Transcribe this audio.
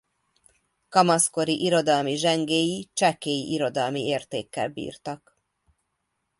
Kamaszkori irodalmi zsengéi csekély irodalmi értékkel bírtak.